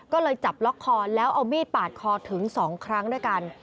ก็เลยจับล็อกคอแล้วเอามีดปาดคอถึง๒ครั้งด้วยกัน